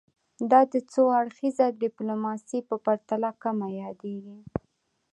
دا د څو اړخیزه ډیپلوماسي په پرتله کمه یادیږي